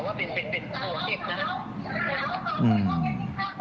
ว่าเป็นคนเก็บนะฮะ